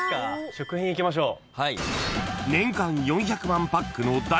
食品いきましょう。